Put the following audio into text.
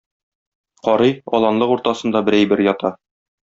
Карый, аланлык уртасында бер әйбер ята.